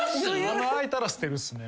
穴開いたら捨てるっすね。